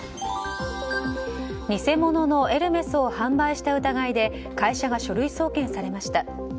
偽物のエルメスを販売した疑いで会社が書類送検されました。